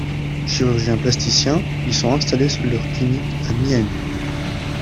Chirurgiens plasticiens, ils ont installé leur clinique à Miami.